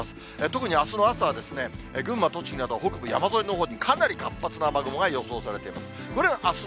特にあすの朝は、群馬、栃木など北部山沿いのほうにかなり活発な雨雲が予想されています。